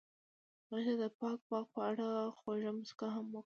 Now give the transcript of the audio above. هغې د پاک باغ په اړه خوږه موسکا هم وکړه.